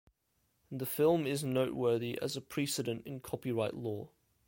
The film is noteworthy as a precedent in copyright law.